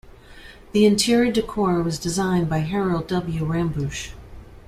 The interior decor was designed by Harold W. Rambusch.